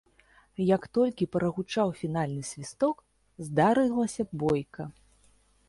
Як толькі прагучаў фінальны свісток, здарылася бойка.